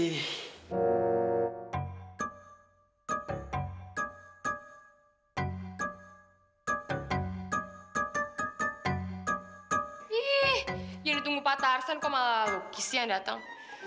ihh yang ditunggu pak tarzan kok malah kisian dateng